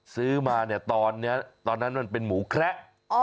ซื้อมาเนี่ยตอนนั้นมันเป็นหมูแคระ